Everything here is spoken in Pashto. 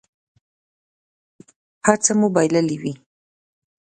هر څه به مو بایللي وي.